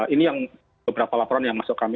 ini yang beberapa laporan yang masuk kami